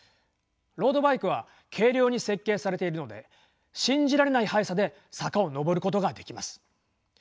ロードバイクは軽量に設計されているので信じられない速さで坂を上ることができます。